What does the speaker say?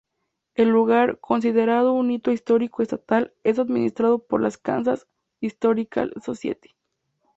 El lugar, considerado un hito histórico estatal, es administrado por la Kansas Historical Society.